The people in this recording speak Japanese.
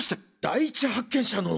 第一発見者の？